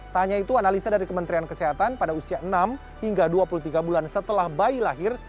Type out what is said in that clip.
tanya itu analisa dari kementerian kesehatan pada usia enam hingga dua puluh tiga bulan setelah bayi lahir